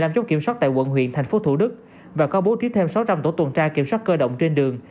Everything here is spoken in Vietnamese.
ba trăm một mươi năm chốt kiểm soát tại quận huyện thành phố thủ đức và có bố trí thêm sáu trăm linh tổ tuần tra kiểm soát cơ động trên đường